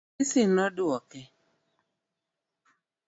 Asisi noduoke.